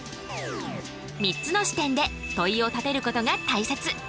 ３つの視点で問いを立てることが大切。